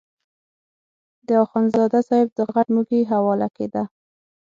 د اخندزاده صاحب دا غټ موږی حواله کېده.